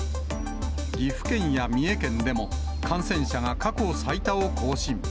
岐阜県や三重県でも、感染者が過去最多を更新。